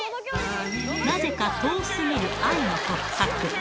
なぜか遠すぎる愛の告白。